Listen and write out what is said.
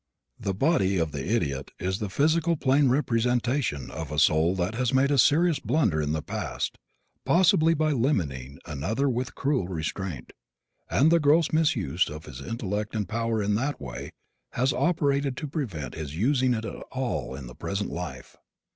The body of the idiot is the physical plane representation of a soul that has made a serious blunder in the past, possible by limiting another with cruel restraint, and the gross misuse of his intellect and power in that way has operated to prevent his using it at all in the present life.